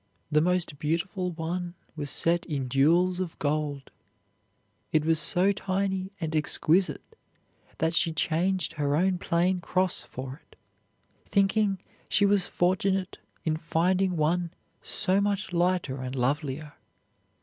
The most beautiful one was set in jewels of gold. It was so tiny and exquisite that she changed her own plain cross for it, thinking she was fortunate in finding one so much lighter and lovelier.